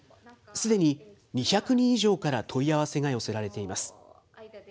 すでに２００人以上から問い合わせが寄せられています。